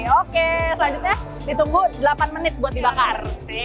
oke selanjutnya ditunggu delapan menit buat dibakar